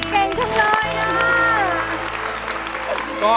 เก่งตรงเลยนะ